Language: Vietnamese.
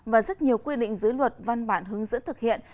và rất nhiều quy định dưới luật văn bản hướng dẫn thực hiện